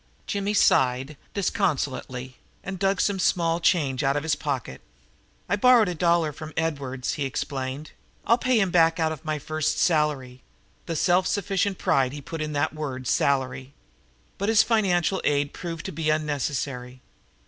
Jimmy sighed disconsolately and dug some small change out of his pocket. "I borrowed a dollar from Edwards," he explained. "I'll pay him back out of my first salary." The self sufficient pride he put into that word salary! But his financial aid proved to be unnecessary.